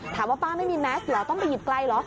ถามว่าป้าไม่มีแม็กซ์เดี๋ยวต้องไปหยิดไกลเหรอ